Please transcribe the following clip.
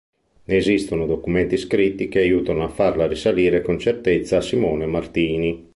Né esistono documenti scritti che aiutano a farla risalire con certezza a Simone Martini.